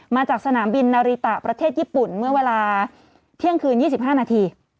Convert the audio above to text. มาจากสนามบินนาริตะประเทศญี่ปุ่นเมื่อเวลาเที่ยงคืน๒๕นาที